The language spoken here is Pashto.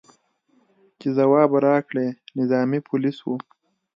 چې ځواب راکړي، نظامي پولیس و.